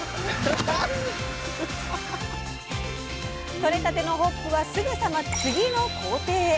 取れたてのホップはすぐさま次の工程へ。